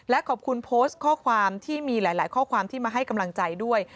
และขอบคุณโพสต์ข้อความที่มีหลายข้อความที่มาให้กำลังใจด้วย